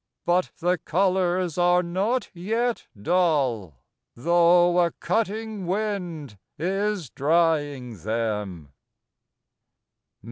. but the colours are not yet dull, though a cutting wind is drying them.